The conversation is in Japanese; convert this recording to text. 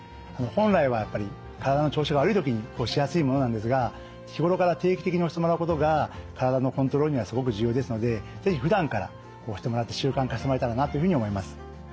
本来はやっぱり体の調子が悪い時に押しやすいものなんですが日頃から定期的に押してもらうことが体のコントロールにはすごく重要ですので是非ふだんから押してもらって習慣化してもらえたらなというふうに思います。